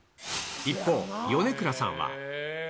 一方、米倉さんは。